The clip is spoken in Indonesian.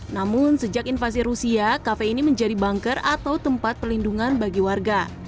namun sejak invasi rusia kafe ini menjadi banker atau tempat pelindungan bagi warga